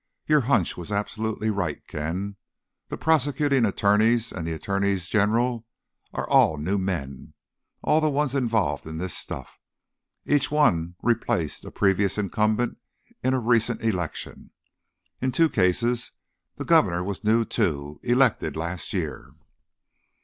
"Your hunch was absolutely right, Ken. The prosecuting attorneys and the attorneys general are all new men—all the ones involved in this stuff. Each one replaced a previous incumbent in a recent election. In two cases, the governor was new, too—elected last year."